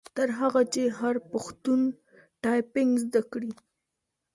تر هغه چي هر پښتون ټایپنګ زده کړي.